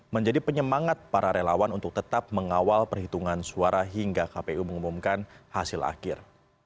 menjadi penyemangat para relawan untuk tetap mengawal perhitungan suara hingga kpu mengumumkan hasil akhir